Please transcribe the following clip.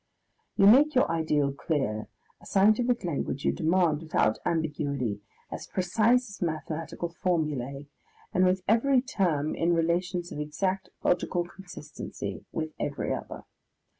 You make your ideal clear, a scientific language you demand, without ambiguity, as precise as mathematical formulae, and with every term in relations of exact logical consistency with every other.